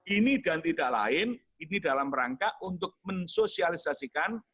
ini dan tidak lain ini dalam rangka untuk mensosialisasikan